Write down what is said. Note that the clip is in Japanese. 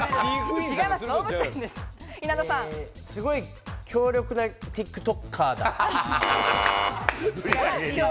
すごい強力なＴｉｋＴｏｋｅｒだ。